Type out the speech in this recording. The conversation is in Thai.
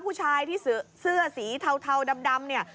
ผู้ชายที่เสื้อสีเทาดำเนี่ย